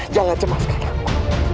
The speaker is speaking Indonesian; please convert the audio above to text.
jangan cemaskan aku